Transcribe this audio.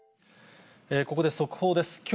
ここで速報です。